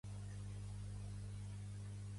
Ell ha donat les gràcies a la consellera?